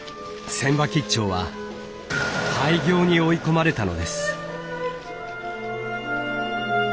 船場兆は廃業に追い込まれたのです。